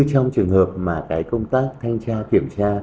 công tác thanh tra kiểm tra